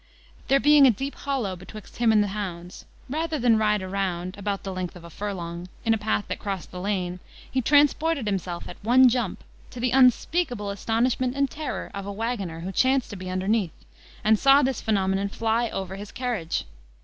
There being a deep hollow betwixt him and the hounds, rather than ride round, about the length of a furlong, in a path that crossed the lane, he transported himself at one jump, to the unspeakable astonishment and terror of a waggoner who chanced to be underneath, and saw this phenomenon fly over his carriage.